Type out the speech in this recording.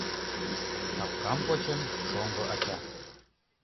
Капкам почын, шоҥго ача